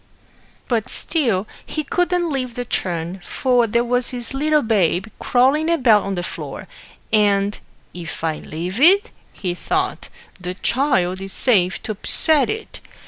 But still he couldn't leave the churn, for there was his little babe crawling about on the floor, and "if I leave it," he thought, "the child is safe to upset it."